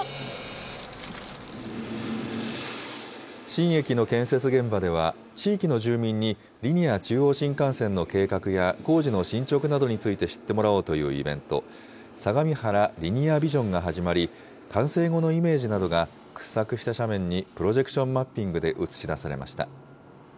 新駅の建設現場では、地域の住民にリニア中央新幹線の計画や工事の進捗などについて知ってもらおうというイベント、さがみはらリニアビジョンが始まり、完成後のイメージなどが、掘削した斜面にプロジェクションマッピングで映し出されました。